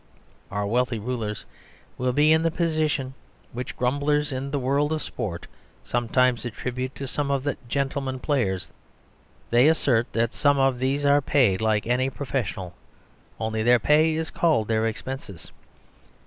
Our wealthy rulers will be in the position which grumblers in the world of sport sometimes attribute to some of the "gentlemen" players. They assert that some of these are paid like any professional; only their pay is called their expenses.